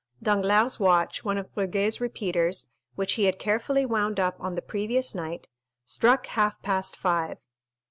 Danglars' watch, one of Breguet's repeaters, which he had carefully wound up on the previous night, struck half past five.